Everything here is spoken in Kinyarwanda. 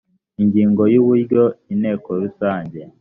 ingingo ya uburyo inteko rusange